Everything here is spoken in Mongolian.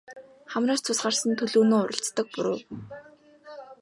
Хамраас цус гарсан төлөөнөө уралцдаг буруу.